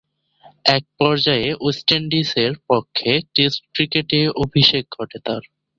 এক পর্যায়ে ওয়েস্ট ইন্ডিজের পক্ষে টেস্ট ক্রিকেটে অভিষেক ঘটে তার।